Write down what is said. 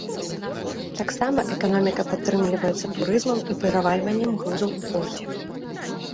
Таксама эканоміка падтрымліваецца турызмам і перавальваннем грузаў у порце.